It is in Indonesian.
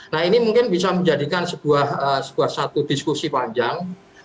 nah ini mungkin bisa menjadikan sebuah satu diskusi panjang